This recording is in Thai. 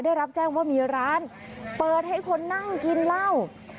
ได้รับแจ้งว่ามีร้านเปิดให้คนนั่งกินเหล้า